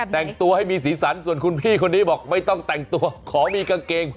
แต่งตัวให้มีสีสันส่วนคุณพี่คนนี้บอกไม่ต้องแต่งตัวขอมีกางเกง